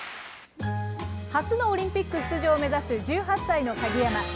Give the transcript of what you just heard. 初のオリンピック出場を目指す１８歳の鍵山。